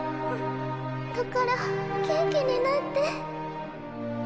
だから元気になって。